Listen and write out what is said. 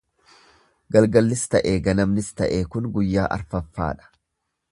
Galgallis ta'e, ganamnis ta'e; kun guyyaa afuraffaa dha.